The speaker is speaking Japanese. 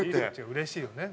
うれしいよね。